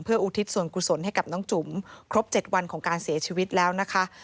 อุทิศส่วนกุศลให้กับน้องจุ๋มครบ๗วันของการเสียชีวิตแล้วนะคะ